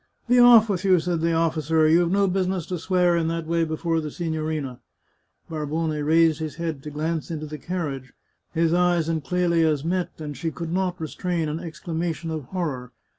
" Be off with you !" said the officer ;" you've no business to swear in that way before the sigtiorina." Barbone raised his head to glance into the carriage; his eyes and Qelia's met, and she could not restrain an exclamation of horror.